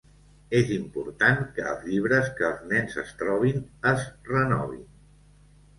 És important que els llibres que els nens es trobin es renovin.